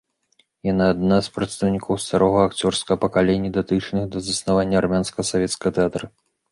Яна адна з прадстаўнікоў старога акцёрскага пакалення, датычных да заснавання армянскага савецкага тэатра.